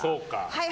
はい！